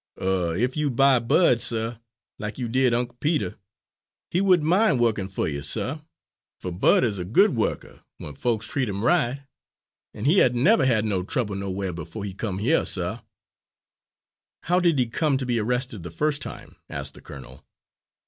Er ef you'd buy Bud, suh, lack you did Unc' Peter, he would n' mind wukkin' fer you, suh, fer Bud is a good wukker we'n folks treats him right; an' he had n' never had no trouble nowhar befo' he come hyuh, suh." "How did he come to be arrested the first time?" asked the colonel.